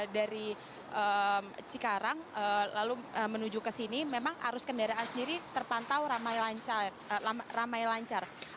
dari cikarang lalu menuju ke sini memang arus kendaraan sendiri terpantau ramai lancar